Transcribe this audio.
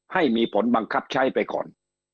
ให้มีผลบังคับใช้ไปก่อน